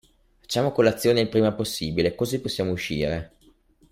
Facciamo colazione il prima possibile, così possiamo uscire.